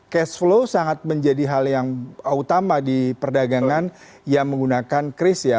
cash flow sangat menjadi hal yang utama di perdagangan yang menggunakan kris ya